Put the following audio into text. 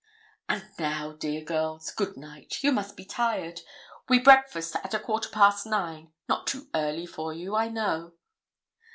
'And now, dear girls, good night. You must be tired. We breakfast at a quarter past nine not too early for you, I know.'